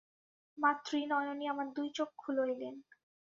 মা ত্রিনয়নী আমার দুইচক্ষু লইলেন।